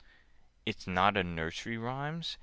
"It's not in Nursery Rhymes?